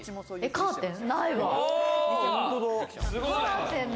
カーテン。